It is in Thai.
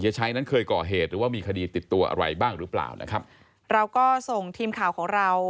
ชัยนั้นเคยก่อเหตุหรือว่ามีคดีติดตัวอะไรบ้างหรือเปล่านะครับเราก็ส่งทีมข่าวของเรา